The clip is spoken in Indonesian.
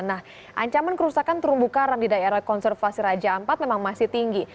nah ancaman kerusakan terumbu karang di daerah konservasi raja ampat memang masih tinggi